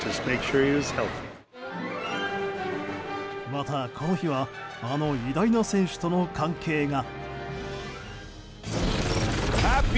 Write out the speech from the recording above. また、この日はあの偉大な選手との関係が。